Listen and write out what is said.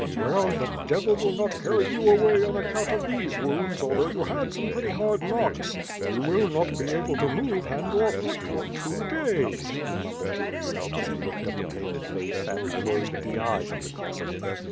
"Well, the devil will not carry you away on account of these wounds although you had some pretty hard knocks. You will not be able to move hand or foot for two days," h© 232 ^iTB FIRE AND SWORD. mumbled to himself as he looked at the pale face and closed eyes of the Cossack.